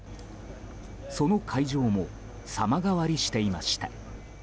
その会場も様変わりしていました。